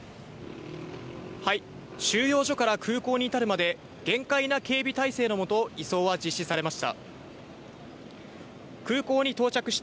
収容所から空港に至るまで厳戒な警備態勢のもと、移送は実施されました。